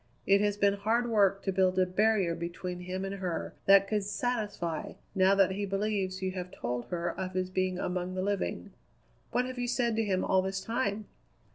It has been hard work to build a barrier between him and her that could satisfy, now that he believes you have told her of his being among the living." "What have you said to him all this time?"